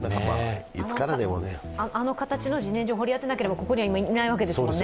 あの形の自然薯を掘りあてなければ、ここにはいないわけですもんね。